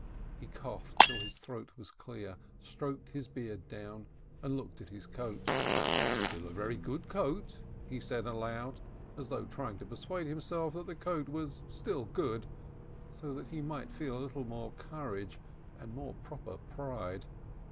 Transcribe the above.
He coughed till his throat was clear, stroked his beard down, and looked at his coat. "Still a very good coat!" he said aloud, as though trying to persuade himself that the coat was still good, so that he might feel more courage and more proper pride.